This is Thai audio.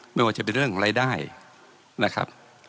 ไม่ว่าจะเป็นเรื่องรายได้นะครับ